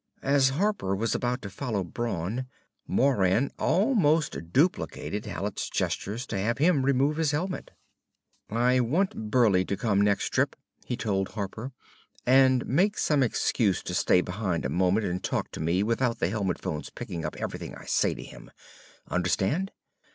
As Harper was about to follow Brawn, Moran almost duplicated Hallet's gestures to have him remove his helmet. "I want Burleigh to come next trip," he told Harper, "and make some excuse to stay behind a moment and talk to me without the helmet phones picking up everything I say to him. Understand?"